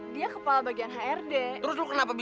ditu pak musti hrd kantor ini